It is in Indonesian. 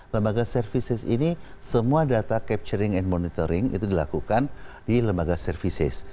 lembaga services ini semua data capturing and monitoring itu dilakukan di lembaga services